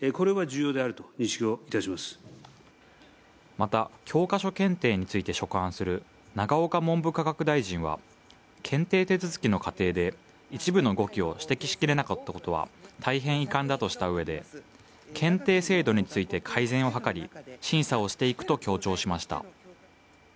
また、教科書検定について所管する永岡文部科学大臣は、検定手続きの過程で一部の誤記を指摘しきれなかったことは大変遺憾だとした上で、検定制度について改善を図り、審査をしていくと強調しました。